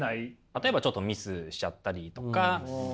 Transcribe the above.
例えばちょっとミスしちゃったりとか。